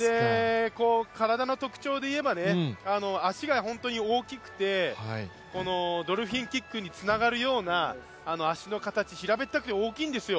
体の特徴でいえば足が本当に大きくてドルフィンキックにつながるような、足の形平べったくて大きいんですよ。